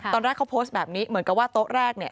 ตอนแรกเขาโพสต์แบบนี้เหมือนกับว่าโต๊ะแรกเนี่ย